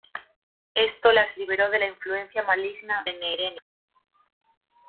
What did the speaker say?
Esto las liberó de la influencia maligna de Neherenia.